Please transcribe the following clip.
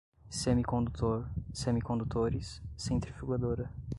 semicondutor, semicondutores, centrifugadora